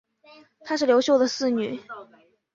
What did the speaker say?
她是刘秀的四女。